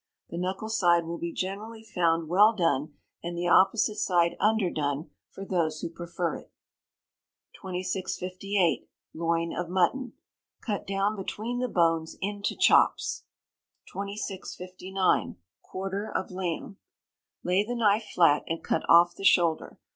The knuckle side will be generally found well done, and the opposite side underdone, for those who prefer it. 2658. Loin of Mutton. Cut down between the bones, into chops. 2659. Quarter of Lamb. Lay the knife flat, and cut off the shoulder.